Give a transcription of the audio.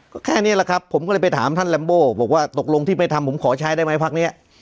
ก็แค่นี้แหละครับผมก็เลยไปถามท่านลัมโบบอกว่าตกลงที่ไปทำผมขอใช้ได้ไหมพักนี้